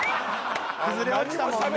崩れ落ちたもんね。